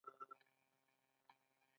د دوی نیتونه سپیڅلي دي.